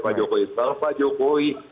pak jokowi tahu pak jokowi